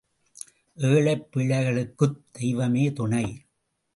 ஏழைப் பிள்ளைக்குத் தெய்வமே துணை.